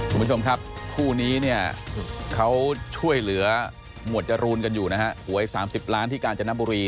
คุณผู้ชมครับคู่นี้เนี่ยเขาช่วยเหลือหมวดจรูนกันอยู่นะฮะหวย๓๐ล้านที่กาญจนบุรี